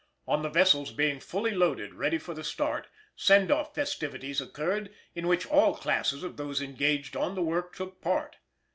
] On the vessels being fully loaded ready for the start, "send off" festivities occurred, in which all classes of those engaged on the work took part.